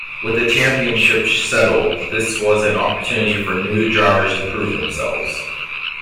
With the championship settled, this was an opportunity for new drivers to prove themselves.